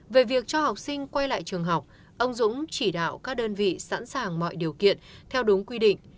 về việc cho học sinh quay lại trường học ông dũng chỉ đạo các đơn vị sẵn sàng mọi điều kiện theo đúng quy định